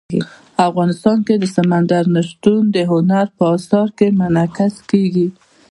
افغانستان کې سمندر نه شتون د هنر په اثار کې منعکس کېږي.